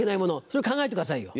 それを考えてくださいよ。